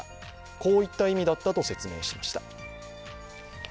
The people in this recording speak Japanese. こういった意味だったと説明しました。